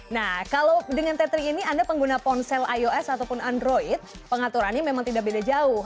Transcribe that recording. nah kalau dengan tathering ini anda pengguna ponsel ios ataupun android pengaturannya memang tidak beda jauh